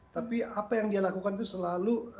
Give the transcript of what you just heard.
tapi apa yang dia lakukan itu selalu